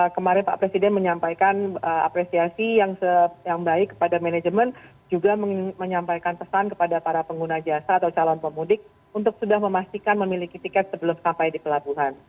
kemarin pak presiden menyampaikan apresiasi yang baik kepada manajemen juga menyampaikan pesan kepada para pengguna jasa atau calon pemudik untuk sudah memastikan memiliki tiket sebelum sampai di pelabuhan